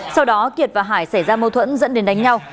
sau đó kiệt và hải xảy ra mâu thuẫn dẫn đến đánh nhau